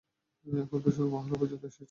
এখন তো শুধু মহল্লা পর্যন্ত এসেছে।